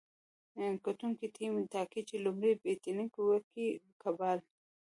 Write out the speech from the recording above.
ګټونکی ټیم ټاکي، چي لومړی بېټينګ وکي که بال.